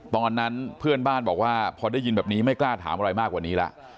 ตอนนั้นเพื่อนบ้านบอกว่าพอได้ยินแบบนี้ไม่กล้าถามอะไรมากกว่านี้แล้ว